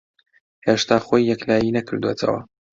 ھێشتا خۆی یەکلایی نەکردووەتەوە.